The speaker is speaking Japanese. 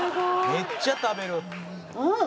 めっちゃ食べる。